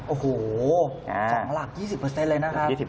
โอ้โห๒หลัก๒๐เลยนะครับ